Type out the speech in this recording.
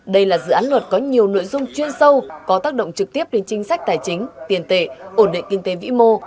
đây là dự án luật có nhiều nội dung chuyên sâu có tác động trực tiếp đến chính sách tài chính tiền tệ ổn định kinh tế vĩ mô